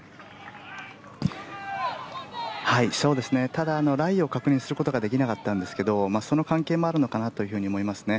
ただ、ライを確認することができなかったんですがその関係もあるのかなと思いますね。